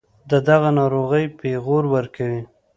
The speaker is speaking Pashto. دَدغه ناروغۍپېغور ورکوي